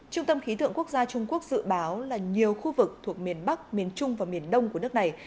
trung tâm khí tượng quốc gia trung quốc dự báo là nhiều khu vực thuộc miền bắc miền trung và miền đông của nước này